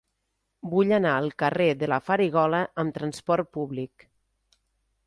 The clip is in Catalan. Vull anar al carrer de la Farigola amb trasport públic.